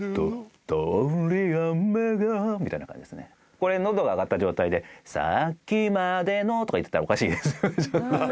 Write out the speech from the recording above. これ喉が上がった状態で「さっきまでの」とか言ってたらおかしい。